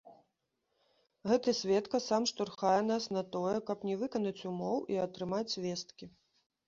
Гэты сведка сам штурхае нас на тое, каб не выканаць умоў і атрымаць весткі.